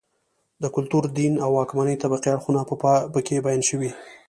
د کلتور، دین او واکمنې طبقې اړخونه په کې بیان شوي